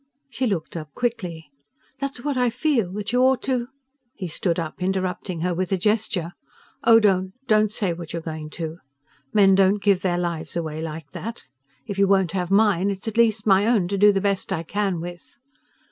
She looked up quickly. "That's what I feel: that you ought to " He stood up, interrupting her with a gesture. "Oh, don't don't say what you're going to! Men don't give their lives away like that. If you won't have mine, it's at least my own, to do the best I can with."